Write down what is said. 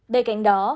bên cạnh đó